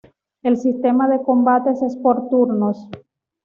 El sistema de combates es por turnos.